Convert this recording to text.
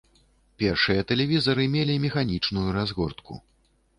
Першыя тэлевізары мелі механічную разгортку.